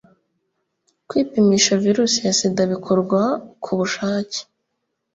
kwipimisha virusi ya sida bikorwa ku bushake